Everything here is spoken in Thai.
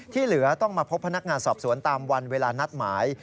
เหลือต้องมาพบพนักงานสอบสวนตามวันเวลานัดหมาย